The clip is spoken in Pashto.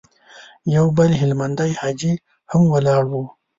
يو بل هلمندی حاجي هم ولاړ و.